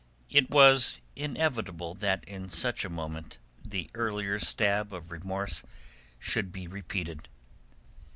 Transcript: It was inevitable that in such a moment the earlier stab of remorse should be repeated.